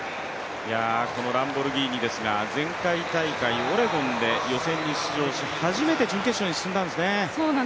このランボルギーニですが前回大会オレゴンで、予選に出場し、始めて準決勝に進んだんですね。